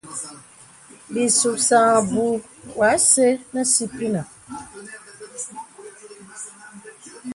Bì suksan àbùù wɔ asə̀ nə sìpìnə.